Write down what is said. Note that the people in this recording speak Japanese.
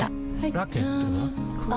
ラケットは？